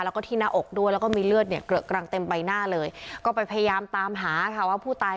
แล้วก็ที่นาอกด้วยแล้วก็มีเลือดยังเครือกกำลังเต็มใบหน้าเลยไปพยายามตามหาว่าผู้ตาย